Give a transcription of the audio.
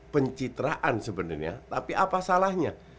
pencitraan sebenarnya tapi apa salahnya